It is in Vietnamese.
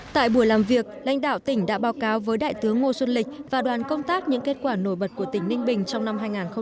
tại buổi làm việc lãnh đạo tỉnh đã báo cáo với đại tướng ngô xuân lịch và đoàn công tác những kết quả nổi bật của tỉnh ninh bình trong năm hai nghìn hai mươi ba